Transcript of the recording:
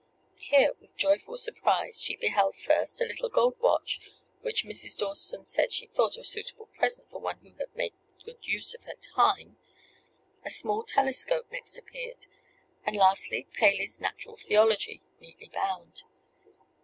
Here, with joyful surprise, she beheld, first, a little gold watch, which Mrs. Dawson said she thought a suitable present for one who had made a good use of her time; a small telescope next appeared; and lastly, Paley's "Natural Theology," neatly bound.